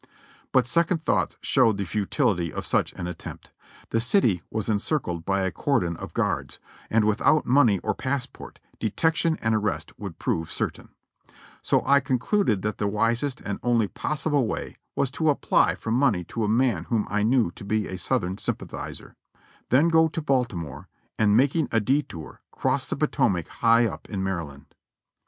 But second thoughts showed the futility of such an attempt. The city was encircled by a cordon of guards, and without money or passport, detection and arrest would prove certain; so i concluded that the wisest and only possible way was to apply tor money to a man whom I knew to be a Southern sympathizer, then o o to Baltimore, and making a detour, cross the Potomac high up in ]\Iaryland.